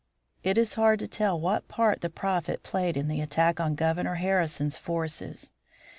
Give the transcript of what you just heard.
It is hard to tell what part the Prophet played in the attack on Governor Harrison's forces.